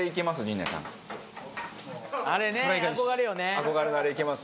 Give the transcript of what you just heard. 憧れのあれいけます？